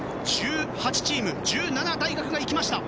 １８チーム１７大学が行きました。